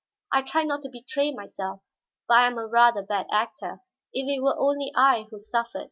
I tried not to betray myself, but I am rather a bad actor. If it were only I who suffered.